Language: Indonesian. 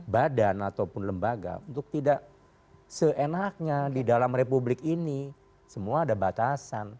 badan ataupun lembaga untuk tidak seenaknya di dalam republik ini semua ada batasan